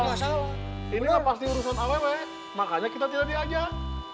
ini pasti urusan awal pak makanya kita tidak diajak